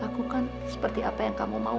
lakukan seperti apa yang kamu mau